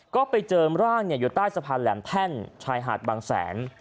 ก็ไปเจอร่างอยู่ใต้สะพานแหลมแท่นชายหาดบางแสน